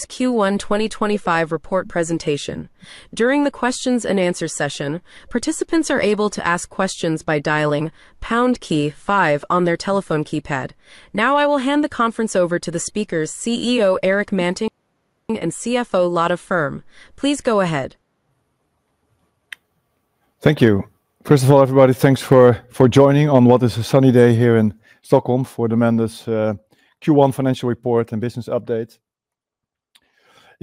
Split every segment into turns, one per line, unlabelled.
This is Q1 2025 report presentation. During the Q&A session, participants are able to ask questions by dialing pound 5 on their telephone keypad. Now, I will hand the conference over to the speakers, CEO Erik Manting and CFO Lotta Ferm. Please go ahead.
Thank you. First of all, everybody, thanks for joining on what is a sunny day here in Stockholm for the Mendus Q1 financial report and business update. In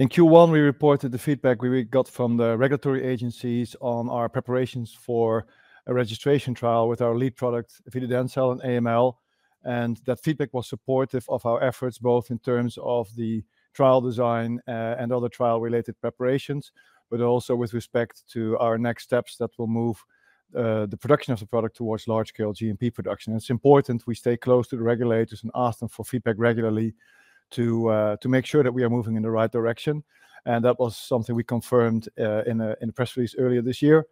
Q1, we reported the feedback we got from the regulatory agencies on our preparations for a registration trial with our lead product, Vididencel in AML. That feedback was supportive of our efforts, both in terms of the trial design and other trial-related preparations, but also with respect to our next steps that will move the production of the product towards large-scale GMP production. It is important we stay close to the regulators and ask them for feedback regularly to make sure that we are moving in the right direction. That was something we confirmed in the press release earlier this year.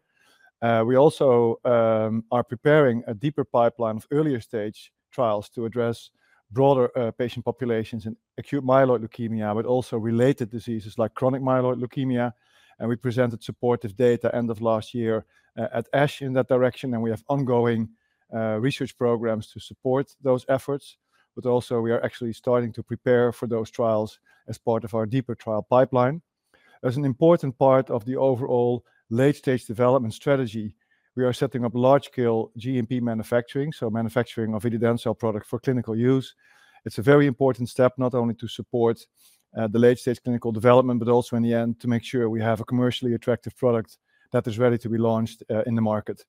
We also are preparing a deeper pipeline of earlier-stage trials to address broader patient populations in acute myeloid leukemia, but also related diseases like chronic myeloid leukemia. We presented supportive data end of last year at ASH in that direction, and we have ongoing research programs to support those efforts. We are actually starting to prepare for those trials as part of our deeper trial pipeline. As an important part of the overall late-stage development strategy, we are setting up large-scale GMP manufacturing, so manufacturing of Vididencel product for clinical use. It's a very important step, not only to support the late-stage clinical development, but also in the end to make sure we have a commercially attractive product that is ready to be launched in the market.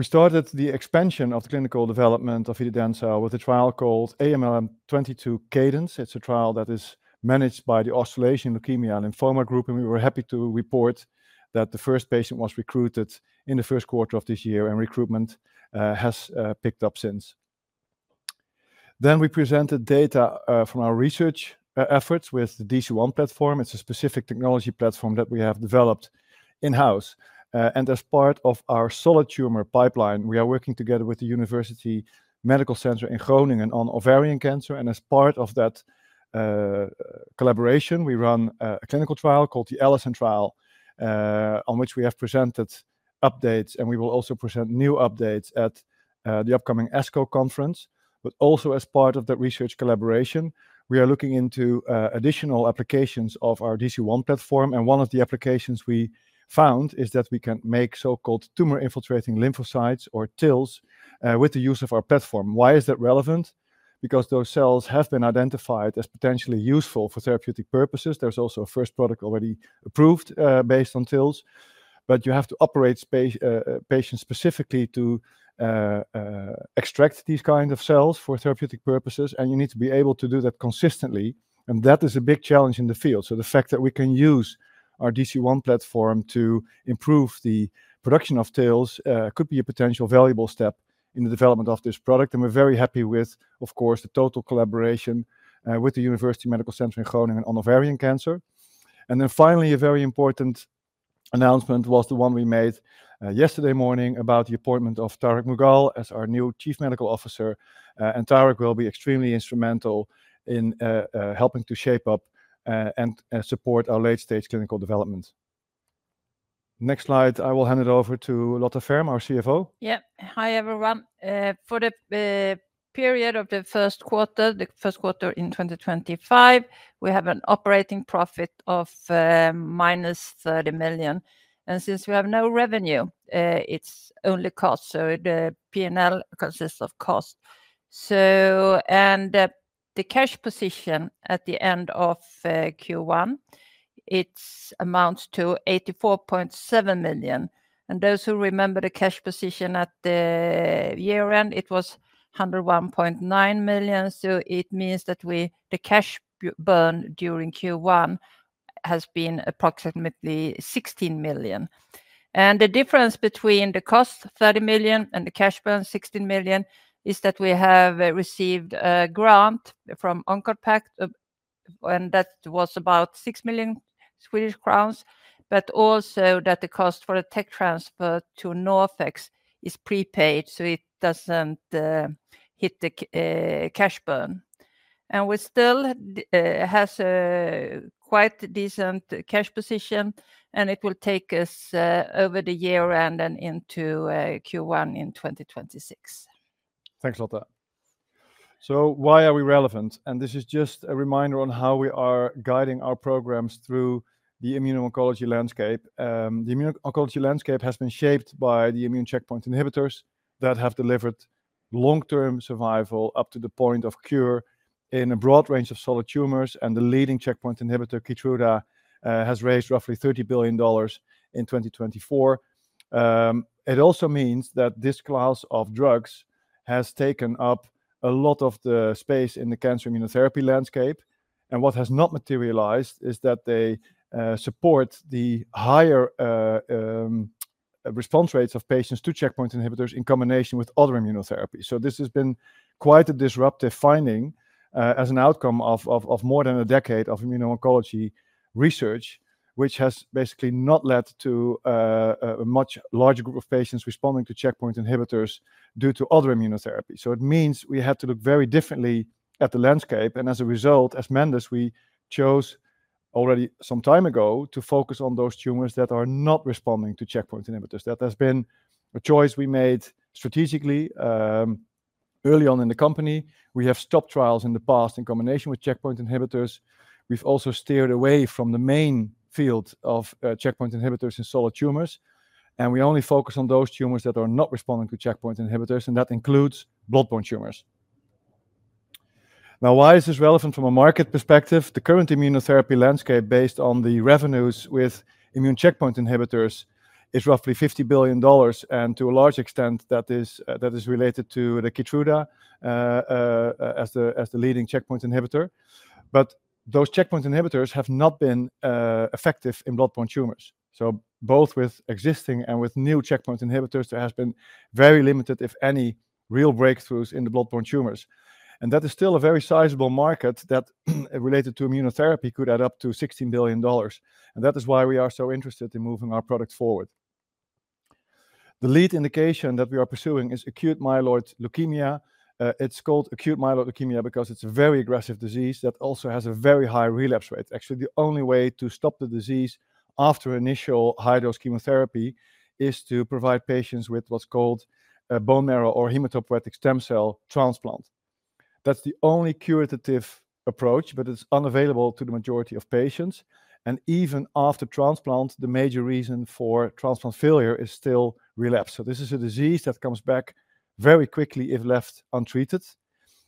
We started the expansion of the clinical development of Vididencel with a trial called AML-22 Cadence. It's a trial that is managed by the Australasian Leukemia Lymphoma Group, and we were happy to report that the first patient was recruited in the first quarter of this year, and recruitment has picked up since. We presented data from our research efforts with the DCOne platform. It's a specific technology platform that we have developed in-house. As part of our solid tumor pipeline, we are working together with the University Medical Center Groningen on ovarian cancer. As part of that collaboration, we run a clinical trial called the ELISAN trial, on which we have presented updates, and we will also present new updates at the upcoming ASCO conference. Also, as part of that research collaboration, we are looking into additional applications of our DCOne platform. One of the applications we found is that we can make so-called tumor-infiltrating lymphocytes, or TILs, with the use of our platform. Why is that relevant? Because those cells have been identified as potentially useful for therapeutic purposes. There is also a first product already approved based on TILs, but you have to operate patients specifically to extract these kinds of cells for therapeutic purposes, and you need to be able to do that consistently. That is a big challenge in the field. The fact that we can use our DCOne platform to improve the production of TILs could be a potentially valuable step in the development of this product. We are very happy with, of course, the total collaboration with the University Medical Center Groningen on ovarian cancer. A very important announcement was the one we made yesterday morning about the appointment of Tariq Mughal as our new Chief Medical Officer. Tariq will be extremely instrumental in helping to shape up and support our late-stage clinical development. Next slide. I will hand it over to Lotta Ferm, our CFO.
Yep. Hi, everyone. For the period of the first quarter, the first quarter in 2025, we have an operating profit of -30 million. Since we have no revenue, it's only cost. The P&L consists of cost. The cash position at the end of Q1, it amounts to 84.7 million. Those who remember the cash position at the year-end, it was 101.9 million. It means that the cash burn during Q1 has been approximately 16 million. The difference between the cost, 30 million, and the cash burn, 16 million, is that we have received a grant from Oncode-PACT, and that was about 6 million Swedish crowns, but also that the cost for the tech transfer to NorthX is prepaid, so it doesn't hit the cash burn. We still have quite a decent cash position, and it will take us over the year-end and into Q1 in 2026.
Thanks, Lotta. Why are we relevant? This is just a reminder on how we are guiding our programs through the immuno-oncology landscape. The immuno-oncology landscape has been shaped by the immune checkpoint inhibitors that have delivered long-term survival up to the point of cure in a broad range of solid tumors. The leading checkpoint inhibitor, Keytruda, has raised roughly $30 billion in 2024. It also means that this class of drugs has taken up a lot of the space in the cancer immunotherapy landscape. What has not materialized is that they support the higher response rates of patients to checkpoint inhibitors in combination with other immunotherapies. This has been quite a disruptive finding as an outcome of more than a decade of immuno-oncology research, which has basically not led to a much larger group of patients responding to checkpoint inhibitors due to other immunotherapy. It means we had to look very differently at the landscape. As a result, as Mendus, we chose already some time ago to focus on those tumors that are not responding to checkpoint inhibitors. That has been a choice we made strategically early on in the company. We have stopped trials in the past in combination with checkpoint inhibitors. We have also steered away from the main field of checkpoint inhibitors in solid tumors, and we only focus on those tumors that are not responding to checkpoint inhibitors, and that includes blood-borne tumors. Now, why is this relevant from a market perspective? The current immunotherapy landscape, based on the revenues with immune checkpoint inhibitors, is roughly $50 billion, and to a large extent, that is related to Keytruda as the leading checkpoint inhibitor. Those checkpoint inhibitors have not been effective in blood-borne tumors. Both with existing and with new checkpoint inhibitors, there has been very limited, if any, real breakthroughs in the blood-borne tumors. That is still a very sizable market that, related to immunotherapy, could add up to $16 billion. That is why we are so interested in moving our product forward. The lead indication that we are pursuing is acute myeloid leukemia. It's called acute myeloid leukemia because it's a very aggressive disease that also has a very high relapse rate. Actually, the only way to stop the disease after initial high-dose chemotherapy is to provide patients with what's called bone marrow or hematopoietic stem cell transplant. That's the only curative approach, but it's unavailable to the majority of patients. Even after transplant, the major reason for transplant failure is still relapse. This is a disease that comes back very quickly if left untreated,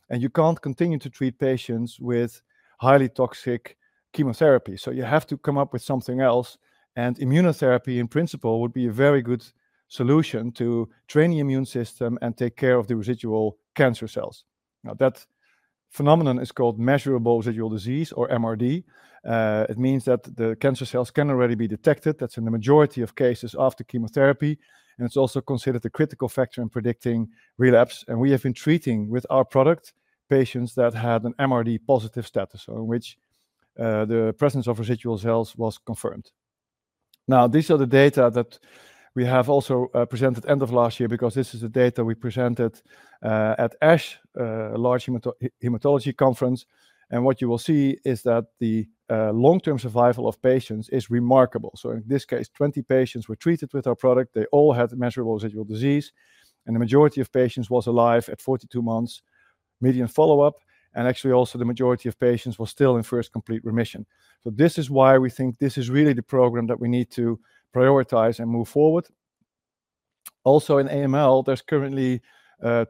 and you can't continue to treat patients with highly toxic chemotherapy. You have to come up with something else. Immunotherapy, in principle, would be a very good solution to train the immune system and take care of the residual cancer cells. That phenomenon is called measurable residual disease, or MRD. It means that the cancer cells can already be detected. That's in the majority of cases after chemotherapy. It is also considered a critical factor in predicting relapse. We have been treating with our product patients that had an MRD-positive status, in which the presence of residual cells was confirmed. These are the data that we have also presented at the end of last year because this is the data we presented at ASH, a large hematology conference. What you will see is that the long-term survival of patients is remarkable. In this case, 20 patients were treated with our product. They all had measurable residual disease, and the majority of patients was alive at 42 months median follow-up. Actually, also the majority of patients was still in first complete remission. This is why we think this is really the program that we need to prioritize and move forward. Also, in AML, there are currently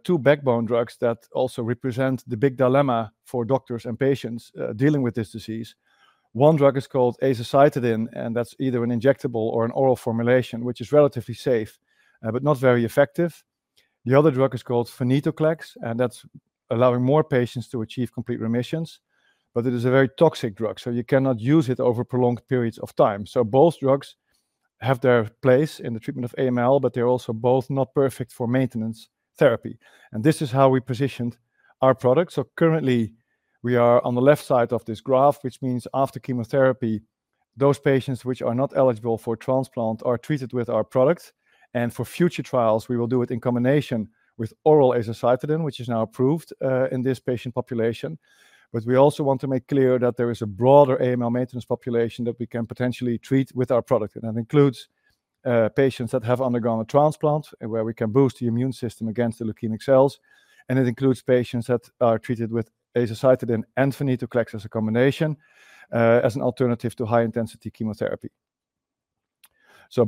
two backbone drugs that also represent the big dilemma for doctors and patients dealing with this disease. One drug is called azacitidine, and that is either an injectable or an oral formulation, which is relatively safe but not very effective. The other drug is called venetoclax, and that is allowing more patients to achieve complete remissions. It is a very toxic drug, so you cannot use it over prolonged periods of time. Both drugs have their place in the treatment of AML, but they're also both not perfect for maintenance therapy. This is how we positioned our product. Currently, we are on the left side of this graph, which means after chemotherapy, those patients which are not eligible for transplant are treated with our product. For future trials, we will do it in combination with oral azacitidine, which is now approved in this patient population. We also want to make clear that there is a broader AML maintenance population that we can potentially treat with our product. That includes patients that have undergone a transplant where we can boost the immune system against the leukemic cells. It includes patients that are treated with azacitidine and venetoclax as a combination, as an alternative to high-intensity chemotherapy.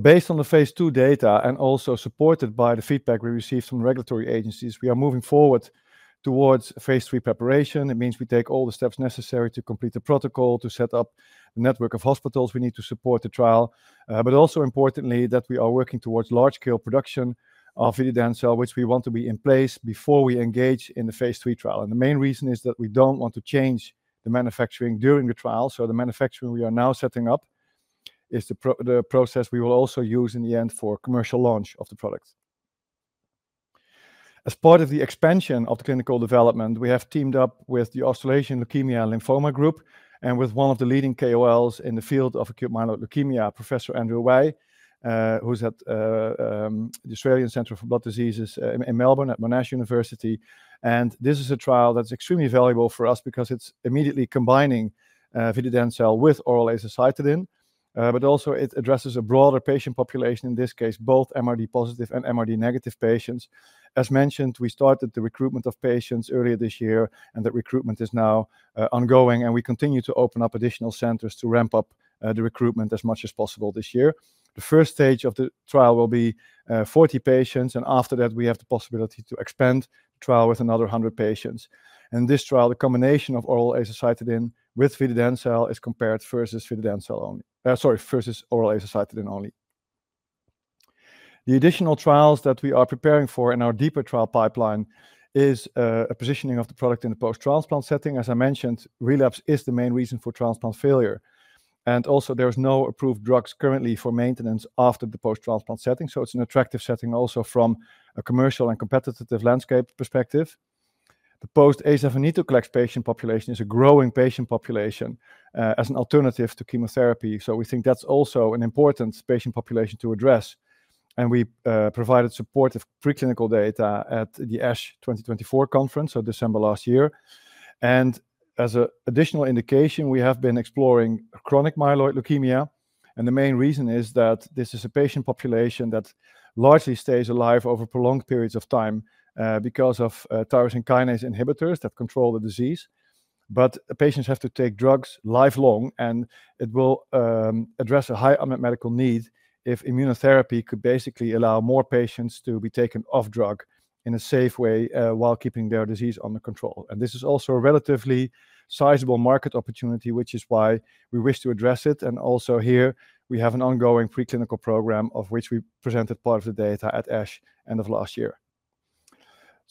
Based on the phase two data and also supported by the feedback we received from regulatory agencies, we are moving forward towards phase three preparation. It means we take all the steps necessary to complete the protocol, to set up the network of hospitals we need to support the trial, but also importantly, that we are working towards large-scale production of Vididencel, which we want to be in place before we engage in the phase three trial. The main reason is that we do not want to change the manufacturing during the trial. The manufacturing we are now setting up is the process we will also use in the end for commercial launch of the product. As part of the expansion of the clinical development, we have teamed up with the Australasian Leukemia Lymphoma Group and with one of the leading KOLs in the field of acute myeloid leukemia, Professor Andrew Wei, who's at the Australian Centre for Blood Diseases in Melbourne at Monash University. This is a trial that's extremely valuable for us because it's immediately combining Vididencel with oral azacitidine, but also it addresses a broader patient population, in this case, both MRD-positive and MRD-negative patients. As mentioned, we started the recruitment of patients earlier this year, and that recruitment is now ongoing. We continue to open up additional centers to ramp up the recruitment as much as possible this year. The first stage of the trial will be 40 patients, and after that, we have the possibility to expand the trial with another 100 patients. In this trial, the combination of oral azacitidine with vididencel is compared versus vididencel only, sorry, versus oral azacitidine only. The additional trials that we are preparing for in our deeper trial pipeline is a positioning of the product in the post-transplant setting. As I mentioned, relapse is the main reason for transplant failure. There are no approved drugs currently for maintenance after the post-transplant setting. It is an attractive setting also from a commercial and competitive landscape perspective. The post-venetoclax patient population is a growing patient population as an alternative to chemotherapy. We think that is also an important patient population to address. We provided supportive preclinical data at the ASH 2024 conference, so December last year. As an additional indication, we have been exploring chronic myeloid leukemia. The main reason is that this is a patient population that largely stays alive over prolonged periods of time because of tyrosine kinase inhibitors that control the disease. Patients have to take drugs lifelong, and it will address a high unmet medical need if immunotherapy could basically allow more patients to be taken off drug in a safe way while keeping their disease under control. This is also a relatively sizable market opportunity, which is why we wish to address it. Also here, we have an ongoing preclinical program of which we presented part of the data at ASH end of last year.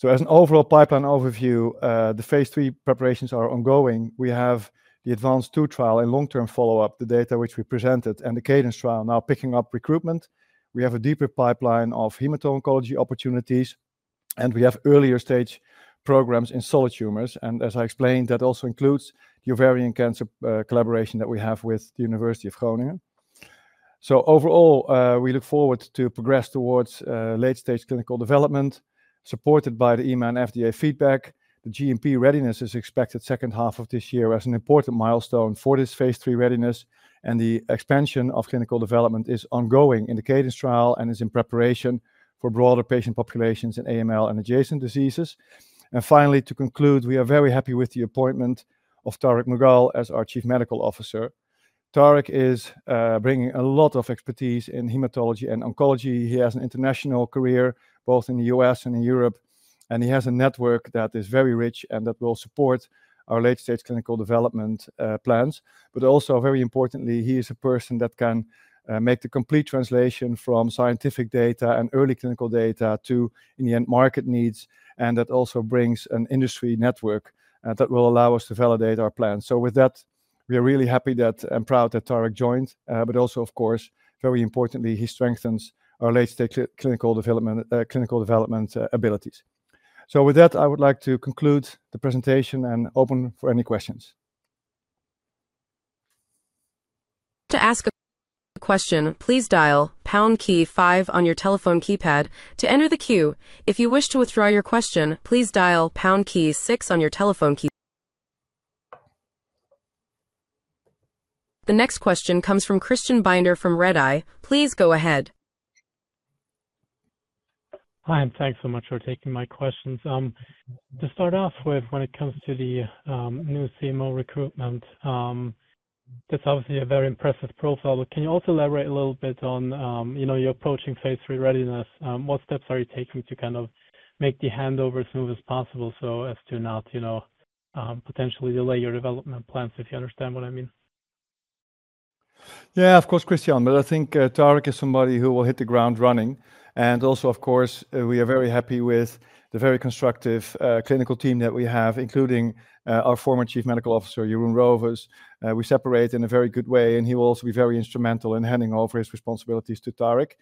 As an overall pipeline overview, the phase three preparations are ongoing. We have the advanced two trial and long-term follow-up, the data which we presented, and the Cadence trial now picking up recruitment. We have a deeper pipeline of hematology opportunities, and we have earlier stage programs in solid tumors. As I explained, that also includes the ovarian cancer collaboration that we have with the University of Groningen. Overall, we look forward to progress towards late-stage clinical development supported by the EMA and FDA feedback. The GMP readiness is expected second half of this year as an important milestone for this phase three readiness. The expansion of clinical development is ongoing in the Cadence trial and is in preparation for broader patient populations in AML and adjacent diseases. Finally, to conclude, we are very happy with the appointment of Tariq Mughal as our Chief Medical Officer. Tariq is bringing a lot of expertise in hematology and oncology. He has an international career both in the U.S. and in Europe, and he has a network that is very rich and that will support our late-stage clinical development plans. Also, very importantly, he is a person that can make the complete translation from scientific data and early clinical data to, in the end, market needs, and that also brings an industry network that will allow us to validate our plans. With that, we are really happy and proud that Tariq joined, but also, of course, very importantly, he strengthens our late-stage clinical development abilities. With that, I would like to conclude the presentation and open for any questions.
To ask a question, please dial pound key five on your telephone keypad to enter the queue. If you wish to withdraw your question, please dial pound key six on your telephone keypad. The next question comes from Christian Binder from Redeye. Please go ahead.
Hi, and thanks so much for taking my questions. To start off with, when it comes to the new CMO recruitment, that's obviously a very impressive profile. Can you also elaborate a little bit on your approaching phase three readiness? What steps are you taking to kind of make the handover as smooth as possible so as to not potentially delay your development plans, if you understand what I mean?
Yeah, of course, Christian, but I think Tariq is somebody who will hit the ground running. Also, of course, we are very happy with the very constructive clinical team that we have, including our former Chief Medical Officer, Jeroen Rovers. We separate in a very good way, and he will also be very instrumental in handing over his responsibilities to Tariq.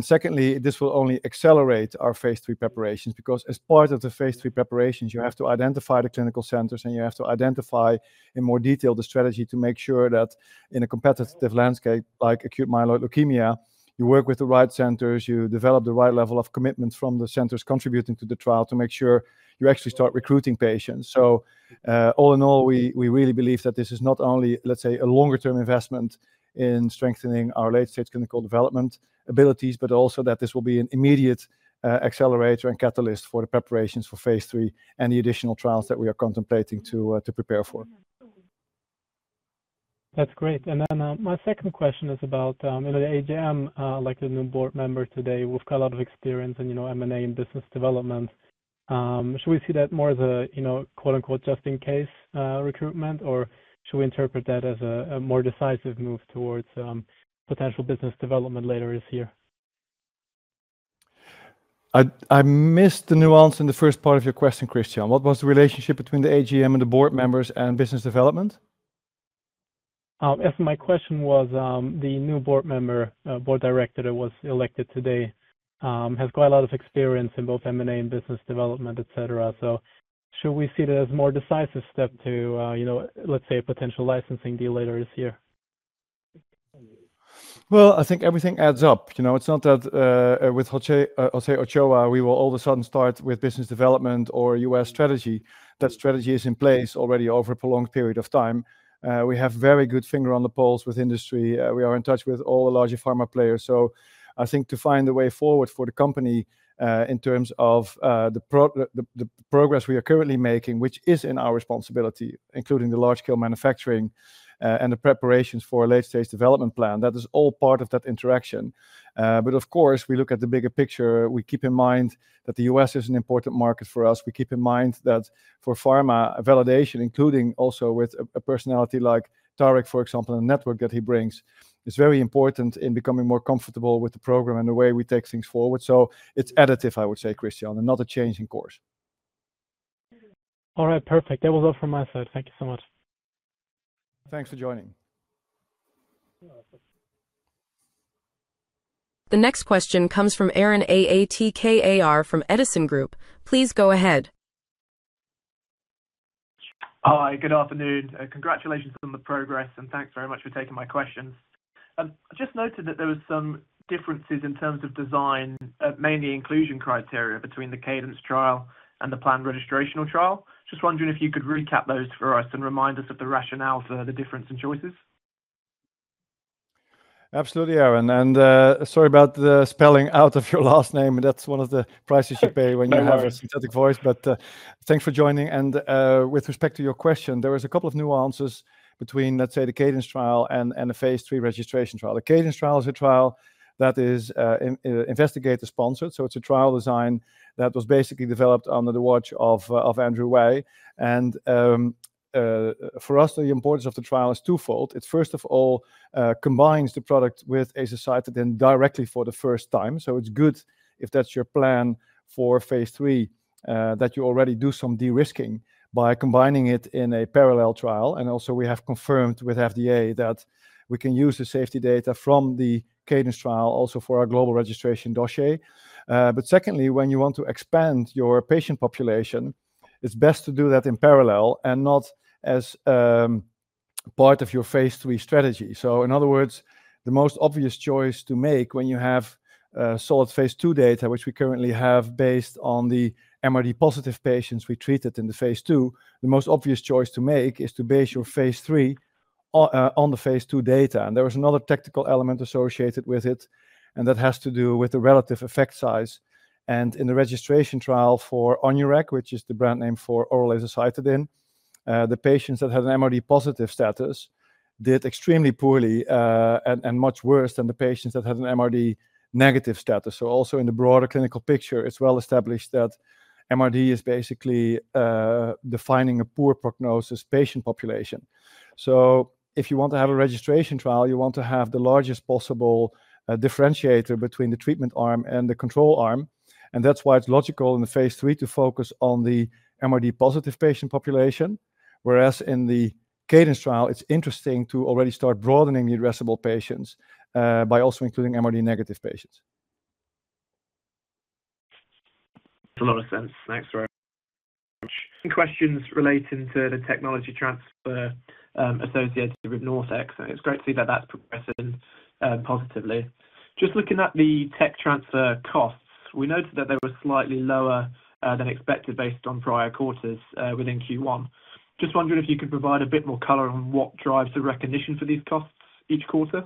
Secondly, this will only accelerate our phase three preparations because as part of the phase three preparations, you have to identify the clinical centers, and you have to identify in more detail the strategy to make sure that in a competitive landscape like acute myeloid leukemia, you work with the right centers, you develop the right level of commitment from the centers contributing to the trial to make sure you actually start recruiting patients. All in all, we really believe that this is not only, let's say, a longer-term investment in strengthening our late-stage clinical development abilities, but also that this will be an immediate accelerator and catalyst for the preparations for phase three and the additional trials that we are contemplating to prepare for.
That's great. My second question is about the AGM, like the new board member today, who've got a lot of experience in M&A and business development. Should we see that more as a "just in case" recruitment, or should we interpret that as a more decisive move towards potential business development later this year?
I missed the nuance in the first part of your question, Christian. What was the relationship between the AGM and the board members and business development?
My question was the new board member, board director that was elected today, has quite a lot of experience in both M&A and business development, et cetera. Should we see that as a more decisive step to, let's say, a potential licensing deal later this year?
I think everything adds up. It's not that with José Ochoa, we will all of a sudden start with business development or U.S. strategy. That strategy is in place already over a prolonged period of time. We have a very good finger on the pulse with industry. We are in touch with all the larger pharma players. I think to find the way forward for the company in terms of the progress we are currently making, which is in our responsibility, including the large-scale manufacturing and the preparations for a late-stage development plan, that is all part of that interaction. Of course, we look at the bigger picture. We keep in mind that the U.S. is an important market for us. We keep in mind that for pharma validation, including also with a personality like Tariq, for example, and the network that he brings, it's very important in becoming more comfortable with the program and the way we take things forward. It's additive, I would say, Christian, and not a change in course.
All right, perfect. That was all from my side. Thank you so much.
Thanks for joining.
The next question comes from Aaron Aatkar from Edison Group. Please go ahead.
Hi, good afternoon. Congratulations on the progress, and thanks very much for taking my questions. I just noted that there were some differences in terms of design, mainly inclusion criteria between the Cadence trial and the planned registrational trial. Just wondering if you could recap those for us and remind us of the rationale for the difference in choices.
Absolutely, Aaron. Sorry about the spelling out of your last name. That's one of the prices you pay when you have a synthetic voice. Thanks for joining. With respect to your question, there were a couple of nuances between, let's say, the Cadence trial and the phase three registration trial. The Cadence trial is a trial that is investigator-sponsored. It is a trial design that was basically developed under the watch of Andrew Wei. For us, the importance of the trial is twofold. It first of all combines the product with azacitidine directly for the first time. It is good if that's your plan for phase three that you already do some de-risking by combining it in a parallel trial. Also, we have confirmed with FDA that we can use the safety data from the Cadence trial also for our global registration dossier. Secondly, when you want to expand your patient population, it's best to do that in parallel and not as part of your phase three strategy. In other words, the most obvious choice to make when you have solid phase two data, which we currently have based on the MRD-positive patients we treated in the phase two, the most obvious choice to make is to base your phase three on the phase two data. There was another technical element associated with it, and that has to do with the relative effect size. In the registration trial for ONUREG, which is the brand name for oral azacitidine, the patients that had an MRD-positive status did extremely poorly and much worse than the patients that had an MRD-negative status. Also in the broader clinical picture, it's well established that MRD is basically defining a poor prognosis patient population. If you want to have a registration trial, you want to have the largest possible differentiator between the treatment arm and the control arm. That's why it's logical in the phase three to focus on the MRD-positive patient population, whereas in the Cadence trial, it's interesting to already start broadening the addressable patients by also including MRD-negative patients.
That makes a lot of sense. Thanks very much. Questions relating to the technology transfer associated with NorthX. It is great to see that that is progressing positively. Just looking at the tech transfer costs, we noted that they were slightly lower than expected based on prior quarters within Q1. Just wondering if you could provide a bit more color on what drives the recognition for these costs each quarter.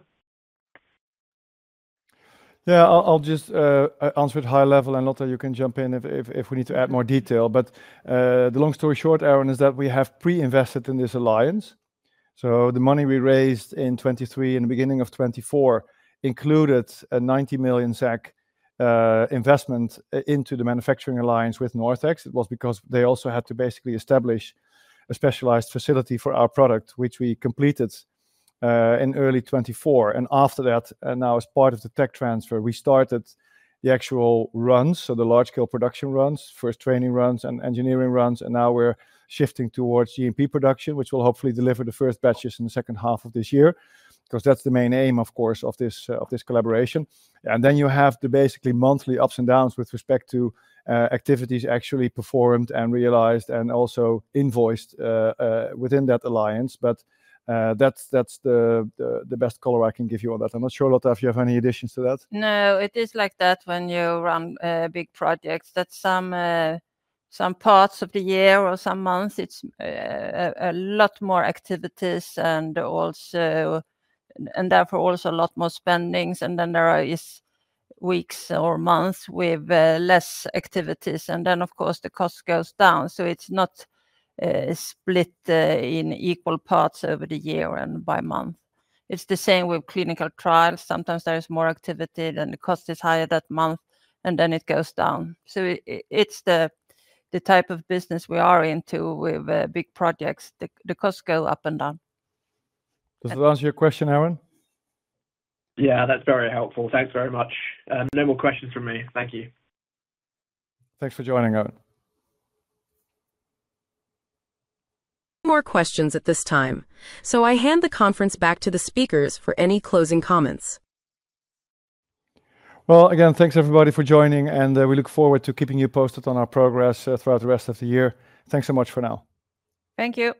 Yeah, I'll just answer it high level and Lotta, you can jump in if we need to add more detail. The long story short, Aaron, is that we have pre-invested in this alliance. The money we raised in 2023 and the beginning of 2024 included a 90 million SEK investment into the manufacturing alliance with NorthX. It was because they also had to basically establish a specialized facility for our product, which we completed in early 2024. After that, now as part of the tech transfer, we started the actual runs, the large-scale production runs, first training runs and engineering runs. Now we're shifting towards GMP production, which will hopefully deliver the first batches in the second half of this year because that's the main aim, of course, of this collaboration. You have the basically monthly ups and downs with respect to activities actually performed and realized and also invoiced within that alliance. That is the best color I can give you on that. I'm not sure, Lotta, if you have any additions to that.
No, it is like that when you run big projects that some parts of the year or some months, it's a lot more activities and therefore also a lot more spendings. There are weeks or months with less activities. Of course, the cost goes down. It is not split in equal parts over the year and by month. It's the same with clinical trials. Sometimes there is more activity, then the cost is higher that month, and then it goes down. It is the type of business we are into with big projects. The costs go up and down.
Does that answer your question, Aaron?
Yeah, that's very helpful. Thanks very much. No more questions from me. Thank you.
Thanks for joining, Aaron.
More questions at this time. I hand the conference back to the speakers for any closing comments.
Again, thanks everybody for joining, and we look forward to keeping you posted on our progress throughout the rest of the year. Thanks so much for now.
Thank you.